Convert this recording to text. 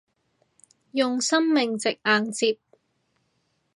用生命值硬接